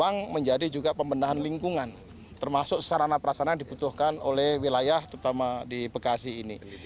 memang menjadi juga pembendahan lingkungan termasuk sarana perasana yang dibutuhkan oleh wilayah terutama di bekasi ini